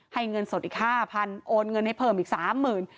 ให้เงินสดอีกห้าพันโอนเงินให้เพิ่มอีกสามหมื่น